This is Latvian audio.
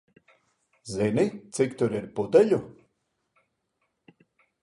Zini, cik tur ir pudeļu?